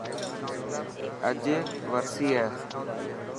اڄ ورسي هي.